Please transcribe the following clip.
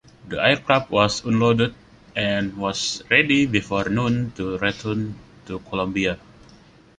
The aircraft was unloaded and was ready before noon to return to Colombia.